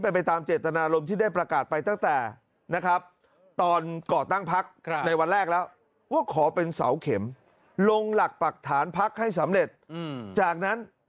แรกจะเป็นสะพานให้เธอเดินไปแน่นอน